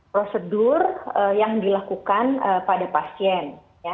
prosedur yang dilakukan pada pasien